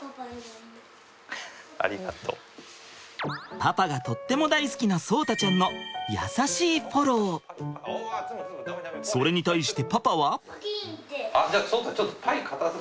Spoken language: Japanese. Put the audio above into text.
パパがとっても大好きな聡太ちゃんのそれに対してパパは？